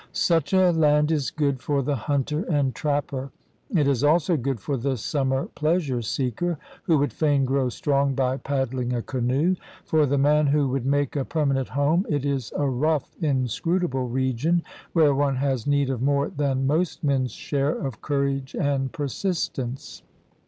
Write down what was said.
Such a land is good for the hunter and trapper. It is also good for the summer pleasure seeker who would fain grow strong by paddling a canoe. For the man who would make a permanent home it is a rough, in scrutable region where one has need of more than most men's share of courage and persistence.